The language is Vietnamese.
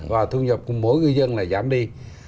và thu nhập của mỗi ngư dân là giảm đi